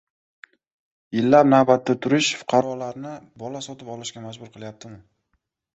Yillab navbatda turish fuqarolarni bola sotib olishga majbur qilyaptimi?